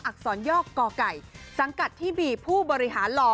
อักษรย่อก่อไก่สังกัดที่มีผู้บริหารหล่อ